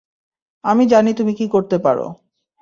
আমি জানি তুমি কি করতে পারো।